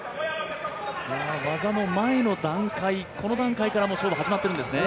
技の前の段階から勝負は始まってるんですね。